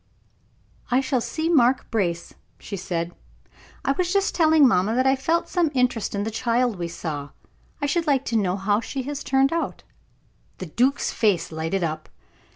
"I shall see Mark Brace," she said. "I was just telling mamma that I felt some interest in that child we saw. I should like to know how she has turned out." The duke's face lighted up.